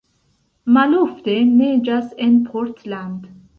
Malofte neĝas en Portland.